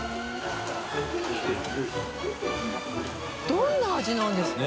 どんな味なんですか？